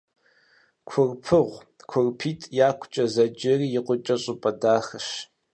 Курпыгъу «КурпитӀ якукӀэ» зэджэри икъукӀэ щӀыпӀэ дахэщ.